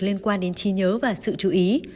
liên quan đến trí nhớ và sự chú ý